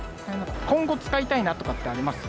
今後使いたいなとかあります？